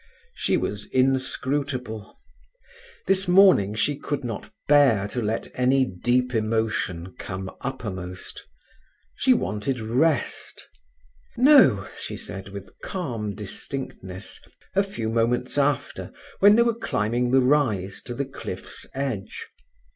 She was inscrutable. This morning she could not bear to let any deep emotion come uppermost. She wanted rest. "No," she said, with calm distinctness, a few moments after, when they were climbing the rise to the cliff's edge.